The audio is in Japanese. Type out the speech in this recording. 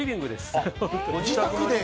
ご自宅で？